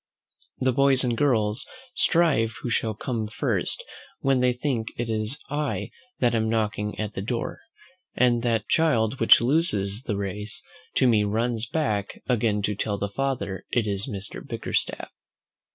The boys and girls strive who shall come first when they think it is I that am knocking at the door; and that child which loses the race to me runs back again to tell the father it is Mr. Bickerstaff.